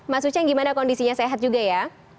mas ucheng gimana kondisinya sehat juga ya